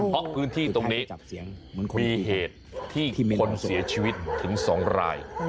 เพราะพื้นที่ตรงนี้มีเหตุที่มีคนเสียชีวิตถึง๒ราย